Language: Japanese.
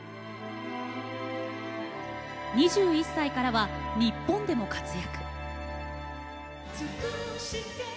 ２１歳からは日本でも活躍。